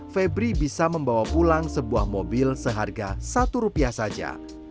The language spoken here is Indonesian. febri bisa membawa pulang sebuah mobil seharga satu rupiah saja